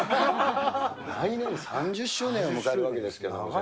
来年３０周年を迎えるわけですけれども。